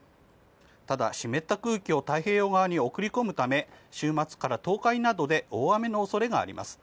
ただ、湿った空気を太平洋側に送り込むため週末から東海などで大雨の恐れがあります。